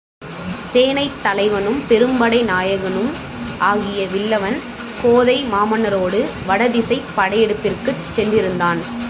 சேனைத்தலைவனும் பெரும்படைநாயகனும் ஆகிய வில்லவன் கோதை மாமன்னரோடு வடதிசைப் படையெடுப்பிற்குச் சென்றிருந்தான்.